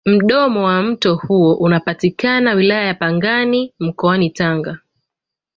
mdomo wa mto huo unapatikana wilaya ya pangani mkoani tanga